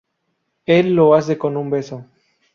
Él lo hace con un beso.